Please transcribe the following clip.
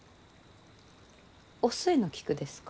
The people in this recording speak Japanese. お寿恵の菊ですか？